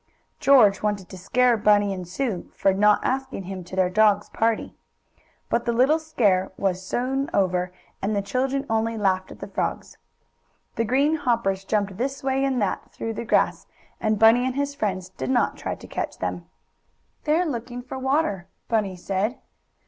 George wanted to scare Bunny and Sue for not asking him to their dog's party. But the little scare was soon over, and the children only laughed at the frogs. The green hoppers jumped this way and that, through the grass, and Bunny and his friends did not try to catch them. "They're looking for water," Bunny said.